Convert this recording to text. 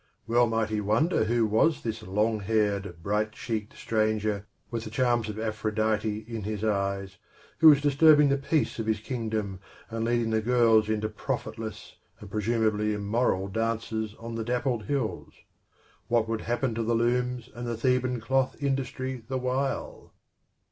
Well might he wonder who was this long haired, bright Cheeked stranger with the charms of Aphrodite in his eyes, who was dis turbing the peace of his kingdom, and leading the girls into profitless and presumably immoral dances on the dappled hills. What would happen to the looms and the Theban cloth industry the while?